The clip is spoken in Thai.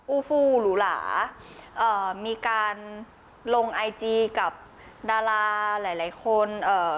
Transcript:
อู่ฟูหรุหลามีการลงไอจีกับดาราหลายคน